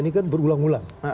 ini kan berulang ulang